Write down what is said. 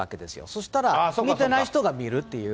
そしたら、見てない人が見るっていう。